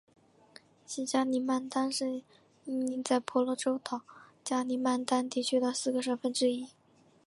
西加里曼丹是印尼在婆罗洲岛加里曼丹地区的四个省份之一。